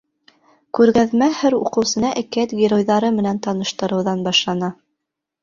Күргәҙмә һәр уҡыусыны әкиәт геройҙары менән таныштырыуҙан башлана.